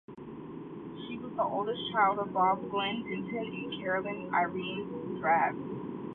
She was the oldest child of Bob Glenn Denton and Carolyn Irene Drab.